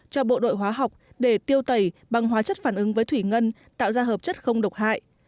cho bộ đội hóa học để tiêu tẩy bằng hóa chất phản ứng với thủy ngân tạo ra hợp chất không độc hại